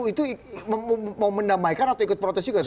itu mau mendamaikan atau ikut protes juga